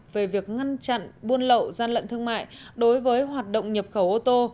về việc ngăn chặn buôn lậu gian lận thương mại đối với hoạt động nhập khẩu ô tô